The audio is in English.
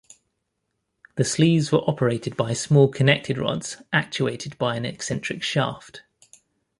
The sleeves were operated by small connected rods actuated by an eccentric shaft.